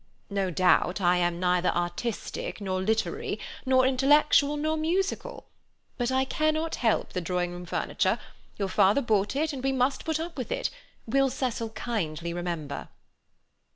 No doubt I am neither artistic nor literary nor intellectual nor musical, but I cannot help the drawing room furniture; your father bought it and we must put up with it, will Cecil kindly remember."